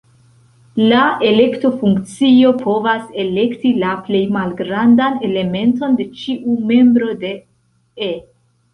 La elekto-funkcio povas elekti la plej malgrandan elementon de ĉiu membro de "E".